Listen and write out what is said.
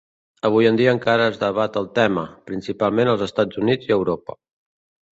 Avui en dia encara es debat el tema, principalment als Estats Units i a Europa.